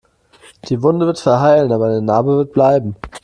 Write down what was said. Die Wunde wird verheilen, aber eine Narbe wird bleiben.